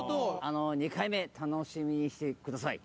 ２回目楽しみにしてください。